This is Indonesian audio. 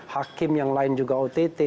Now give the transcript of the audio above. hakim yang lain juga ott